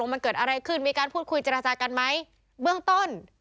เบื้องต้น